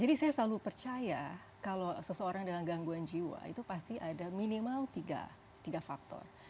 jadi saya selalu percaya kalau seseorang dengan gangguan jiwa itu pasti ada minimal tiga faktor